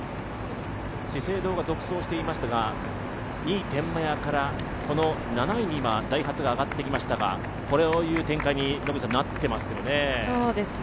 資生堂が独走していますが、２位天満屋から、７位にはダイハツが上がってきましたがこれを追う展開になっていますね。